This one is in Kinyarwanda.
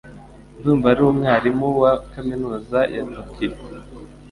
Ndumva ari umwarimu wa kaminuza ya Tokiyo.